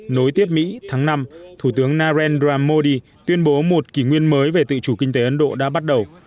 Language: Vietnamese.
nối tiếp mỹ tháng năm thủ tướng narendra modi tuyên bố một kỷ nguyên mới về tự chủ kinh tế ấn độ đã bắt đầu